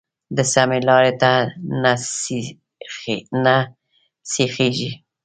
د سمې لارې ته نه سیخېږي.